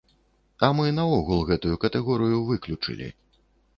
А мы наогул гэтую катэгорыю выключылі!